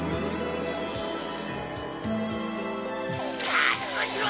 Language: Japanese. かくごしろ！